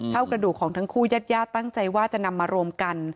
เท่ากระดูกของทั้งคู่ญาติญาติตั้งใจว่าจะนำมารวมกัน